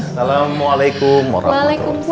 assalamualaikum warahmatullahi wabarakatuh